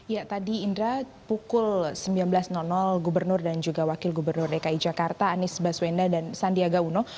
ya tadi indra pukul sembilan belas gubernur dan juga wakil gubernur dki jakarta anies baswedan dan sandiaga uno